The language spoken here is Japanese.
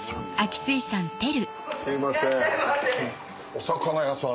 お魚屋さん？